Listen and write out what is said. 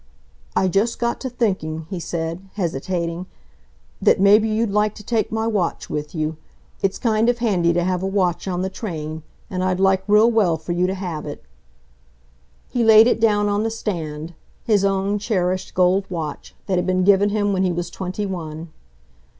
"I just got to thinking," he said, hesitating, "that maybe you'd like to take my watch with you. It's kind of handy to have a watch on the train. And I'd like real well for you to have it." He laid it down on the stand, his own cherished gold watch, that had been given him when he was twenty one.